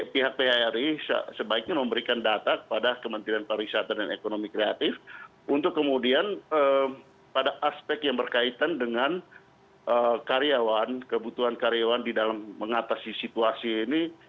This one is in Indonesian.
pihak phri sebaiknya memberikan data kepada kementerian pariwisata dan ekonomi kreatif untuk kemudian pada aspek yang berkaitan dengan karyawan kebutuhan karyawan di dalam mengatasi situasi ini